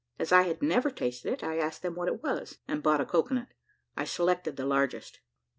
As I had never tasted it, I asked them what it was, and bought a cocoa nut. I selected the largest.